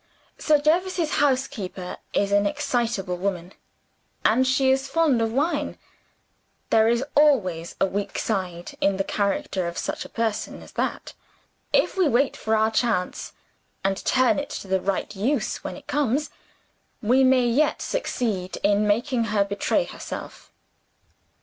Sir Jervis's housekeeper is an excitable woman, and she is fond of wine. There is always a weak side in the character of such a person as that. If we wait for our chance, and turn it to the right use when it comes, we may yet succeed in making her betray herself."